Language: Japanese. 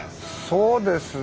そうですね。